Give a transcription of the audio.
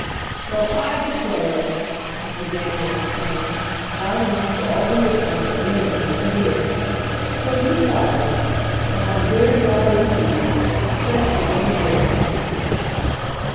"Well, I declare!" Uncle Daniel exclaimed, loud enough for all the listeners at the windows to hear. "So you've got her? Well, I'm very glad indeed. Especially on the boys' account."